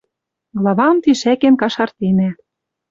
Главам тишӓкен кашартенӓ.